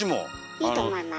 いいと思います。